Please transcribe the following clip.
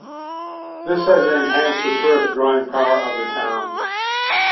This has enhanced the tourist drawing power of the town.